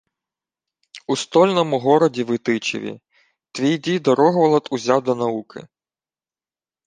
— У стольному городі Витичеві. Твій дідо Рогволод узяв до науки.